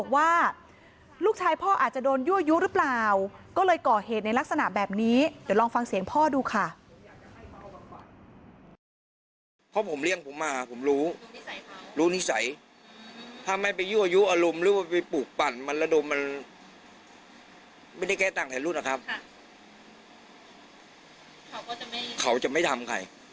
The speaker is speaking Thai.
เขาก็จะไม่เขาจะไม่ทำใครถ้าไม่มีเหตุการณ์